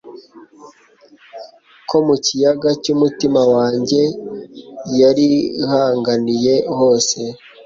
Ko mu kiyaga cyumutima wanjye yarihanganiye hose